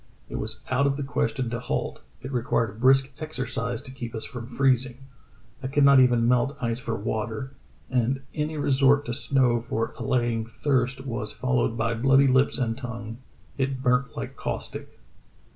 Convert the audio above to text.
It was out of the question to halt; it required brisk exercise to keep us from freezing. I could not even melt ice for water, and any resort to snow for allaying thirst was followed by bloody lips and tongue; it burnt like caustic.